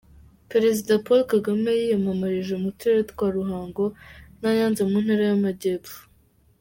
Perezida Paul Kagame yiyamarije mu turere twa Ruhango na Nyanza mu ntara y'amajyepfo.